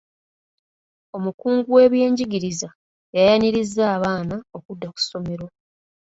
Omukungu w'ebyenjigiriza yayanirizza abaana okudda ku ssomero.